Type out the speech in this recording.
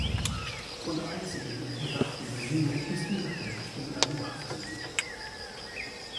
Von der einstigen überdachten Tribüne ist nur noch die Hälfte mit einem Dach versehen.